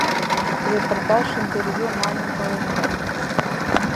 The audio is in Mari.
«Репортаж», «интервью» манын палемда.